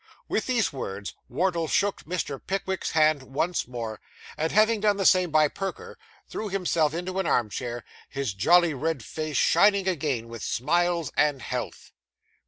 With these words, Wardle shook Mr. Pickwick's hand once more, and, having done the same by Perker, threw himself into an arm chair, his jolly red face shining again with smiles and health.